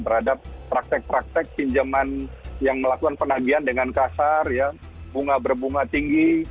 terhadap praktek praktek pinjaman yang melakukan penagihan dengan kasar bunga berbunga tinggi